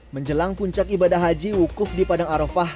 menjelang puncak ibadah haji wukuf di padang arofah